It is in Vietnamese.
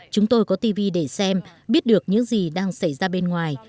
chúng tôi có tv để xem biết được những gì đang xảy ra bên ngoài